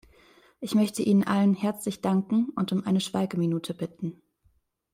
Ich möchte Ihnen allen herzlich danken und um eine Schweigeminute bitten.